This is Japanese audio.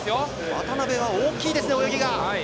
渡辺は大きいです、泳ぎが。